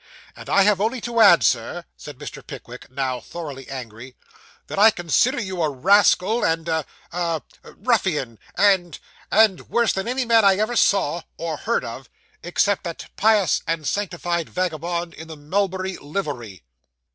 'And I have only to add, sir,' said Mr. Pickwick, now thoroughly angry, 'that I consider you a rascal, and a a ruffian and and worse than any man I ever saw, or heard of, except that pious and sanctified vagabond in the mulberry livery.